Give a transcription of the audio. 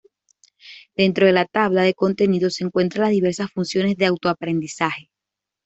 Dentro de la tabla de contenido se encuentran las diversas funciones de autoaprendizaje.